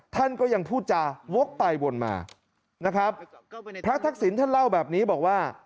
ท่านก็ยังพูดจาวกไปวนมานะครับพระทักษิณท่านเล่าแบบนี้บอกว่า